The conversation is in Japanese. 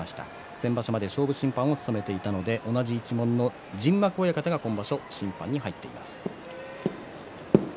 先場所まで勝負審判を務めていたので同じ一門の陣幕親方が今場所、審判に入っています。